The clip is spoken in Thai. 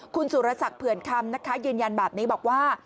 คุณสุรสักเผื่อนคำนะคะยืนยันแบบนี้บอกว่า